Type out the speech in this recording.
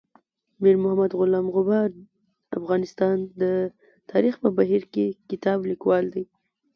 میر محمد غلام غبار افغانستان د تاریخ په بهیر کې کتاب لیکوال دی.